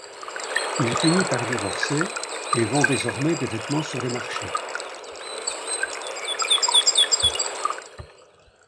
Il finit par divorcer et vend désormais des vêtements sur les marchés.